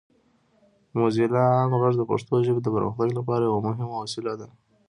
موزیلا عام غږ د پښتو ژبې د پرمختګ لپاره یوه مهمه وسیله ده.